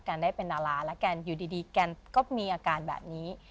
ได้เป็นดาราแล้วแกอยู่ดีแกก็มีอาการแบบนี้